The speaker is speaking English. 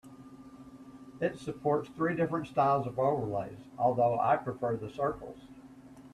It supports three different styles of overlays, although I prefer the circles.